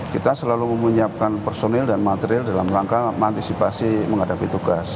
kita selalu menyiapkan personil dan material dalam rangka mengantisipasi menghadapi tugas